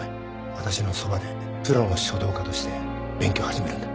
私のそばでプロの書道家として勉強を始めるんだ。